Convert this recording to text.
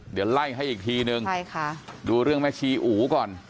เดี๋ยวไล่ให้อีกทีนึงใช่ค่ะดูเรื่องแม่ชีอูก่อน